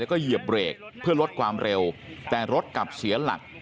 แล้วก็เหยียบเบรกเพื่อลดความเร็วแต่รถกลับเสียหลัก